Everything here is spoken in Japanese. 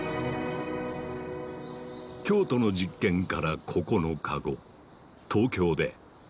京都の実験から９日後。